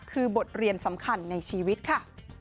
คือบทเรียนสำคัญในชีวิตค่ะ